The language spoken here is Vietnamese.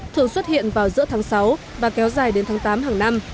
thường xuất hiện vào giữa tháng sáu và kéo dài đến tháng tám hàng năm